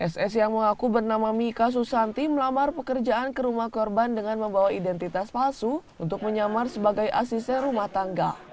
ss yang mengaku bernama mika susanti melamar pekerjaan ke rumah korban dengan membawa identitas palsu untuk menyamar sebagai asisten rumah tangga